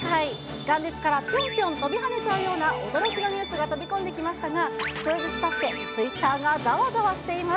元日からぴょんぴょん飛び跳ねちゃうような驚きのニュースが飛び込んできましたが、数日たって、ツイッターがざわざわしています。